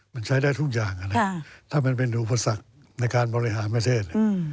มันใช้ได้ทุกอย่างถ้ามันเป็นอุปสรรคในการบริหารประเทศ